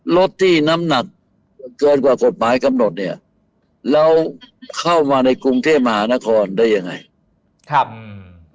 รถที่น้ำหนักเกินกว่ากฎหมายกำหนดเนี่ยแล้วเข้ามาในกรุงเทพมหานครได้ยังไงครับอืม